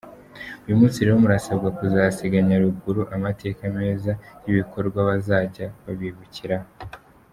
Uyu munsi rero murasabwa kuzasiga Nyaruguru amateka meza y’ibikorwa bazajya babibukiraho”.